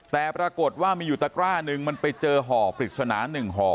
แต่ปรากฏว่ามีอยู่ตะกร้านึงมันไปเจอห่อปริศนาหนึ่งห่อ